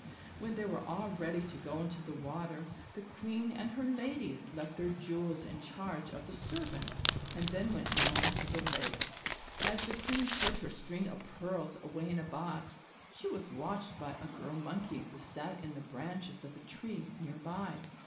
When they were all ready to go into the water, the queen and her ladies left their jewels in charge of the servants, and then went down into the lake. As the queen put her string of pearls away in a box, she was watched by a Girl Monkey who sat in the branches of a tree near by.